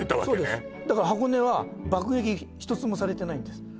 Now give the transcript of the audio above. そうですだから箱根は爆撃一つもされてないんです